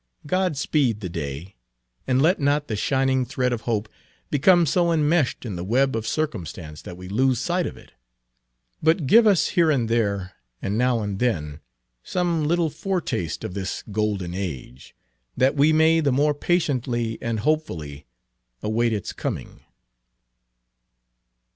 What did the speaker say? God speed the day, and let not the shining thread of hope become so enmeshed in the web of circumstance that we lose sight of it; but give us here and there, and now and then, some little foretaste of this golden age, that we may the more patiently and hopefully await its coming!